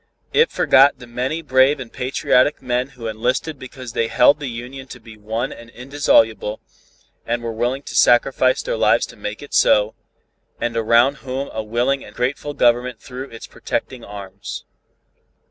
It forgot the many brave and patriotic men who enlisted because they held the Union to be one and indissoluble, and were willing to sacrifice their lives to make it so, and around whom a willing and grateful government threw its protecting arms.